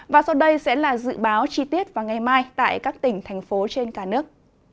và sau đây sẽ là dự báo chi tiết vào ngày mai tại các tỉnh thành phố trên cả nước